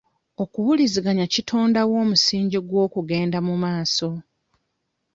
Okuwuliziganya kitondawo omusingi gw'okugenda mu maaso.